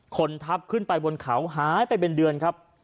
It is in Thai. คนทับขึ้นไปบนเขาหายไปเป็นเดือนครับ